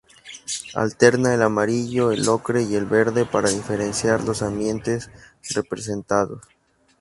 Alterna el amarillo, el ocre y el verde para diferenciar los ambientes representados.